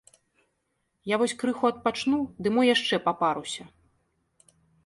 Я вось крыху адпачну, ды мо яшчэ папаруся.